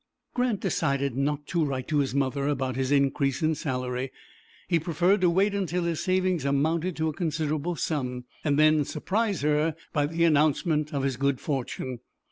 Grant decided not to write to his mother about his increase in salary. He preferred to wait till his savings amounted to a considerable sum, and then surprise her by the announcement of his good fortune.